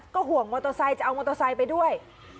ห่วงมอเตอร์ไซค์จะเอามอเตอร์ไซค์ไปด้วย